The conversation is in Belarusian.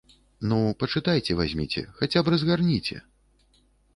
Ну, пачытайце вазьміце, хаця б разгарніце!